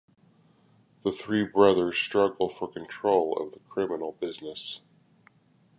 The three brothers struggle for control of the criminal business.